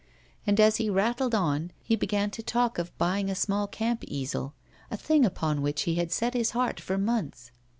And, as he rattled on, he began to talk of buying a small camp easel, a thing upon which he had set his heart for months.